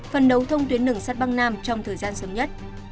phần đấu thông tuyến đường sát bắc nam trong thời gian sớm nhất